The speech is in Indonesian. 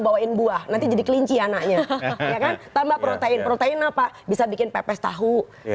bawain buah nanti jadi kelinci anaknya ya kan tambah protein protein apa bisa bikin pepes tahu